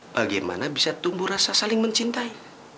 bagaimana bisa tumbuh rasa saling mencintai